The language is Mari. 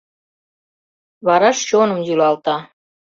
Вараш чоным йӱлалта